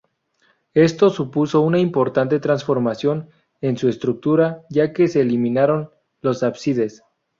Esto supuso una importante transformación en su estructura ya que se eliminaron los ábsides.